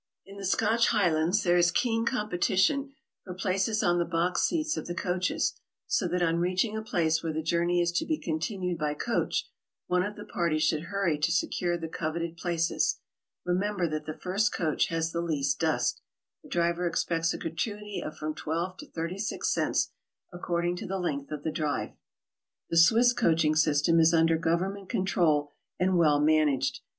In the Scotch Highlands there is keen competition for places on the box seats of the coaches, so that on reaching a place where the journey is to be continued by coach, one of the party should hurry to secure the coveted places. Re member that the first coach has the least dust. The driver expects a gratuity of from 12 to 36 cents, according to the length of the drive. The Swiss coaching system is under government con trol and well managed.